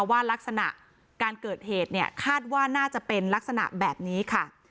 ลักษณะการเกิดเหตุเนี่ยคาดว่าน่าจะเป็นลักษณะแบบนี้ค่ะ